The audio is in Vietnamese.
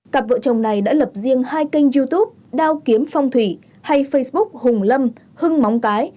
cặp vợ chồng này đã lập riêng hai kênh youtube đao kiếm phong thủy hay facebook hùng lâm hưng móng cái